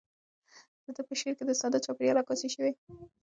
د ده په شعر کې د ساده چاپیریال عکاسي شوې.